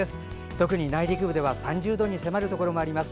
特に内陸部では３０度に迫るところもあります。